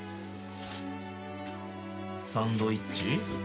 サンドイッチ。